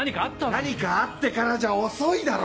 何かあってからじゃ遅いだろ！